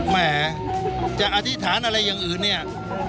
แหมจะอธิษฐานอะไรอย่างอื่นเนี่ย